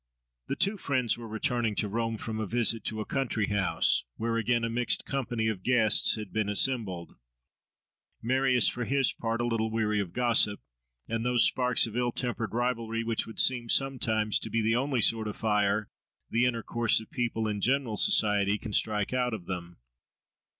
The two friends were returning to Rome from a visit to a country house, where again a mixed company of guests had been assembled; Marius, for his part, a little weary of gossip, and those sparks of ill tempered rivalry, which would seem sometimes to be the only sort of fire the intercourse of people in general society can strike out of them.